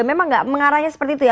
memang nggak mengarahnya seperti itu ya